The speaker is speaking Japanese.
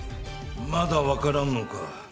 まだ分からんのか？